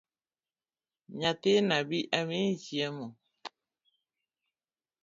Nyathina bi amiyi chiemo.